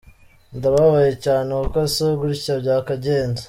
Ndababaye cyane kuko si gutya byakagenze.